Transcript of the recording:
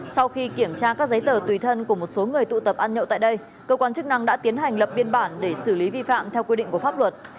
sau khi kiểm tra các giấy tờ tùy thân của một số người tụ tập ăn nhậu tại đây cơ quan chức năng đã tiến hành lập biên bản để xử lý vi phạm theo quy định của pháp luật